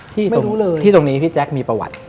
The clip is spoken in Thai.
ไม่รู้เลยที่ตรงนี้พี่แจ๊คมีประวัติ